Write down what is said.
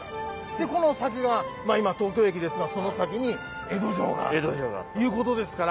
でこの先がまあ今東京駅ですがその先に江戸城があったということですから。